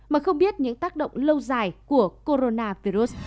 mà không biết những tác động lâu dài của coronavirus